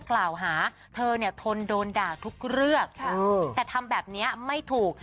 กล่าวหาเธอเนี่ยทนโดนด่าทุกเรื่องแต่ทำแบบนี้ไม่ถูก